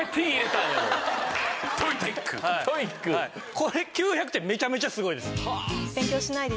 これ９００点めちゃめちゃすごいです。